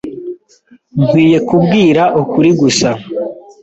Nkwiye kubwira ukuri gusa.